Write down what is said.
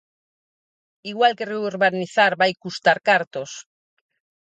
Igual que reurbanizar vai custar cartos.